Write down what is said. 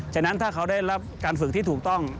ฉะนั้นถ้าเขาได้รับการฝึกที่ถูกต้อง